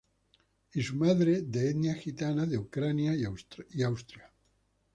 Y su madre de etnia gitana de Ucrania y Austria.